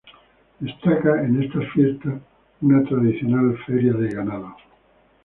Destaca en estas fiestas una tradicional Feria de Ganado.